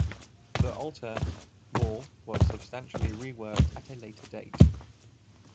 The altar wall was substantially reworked at a later date.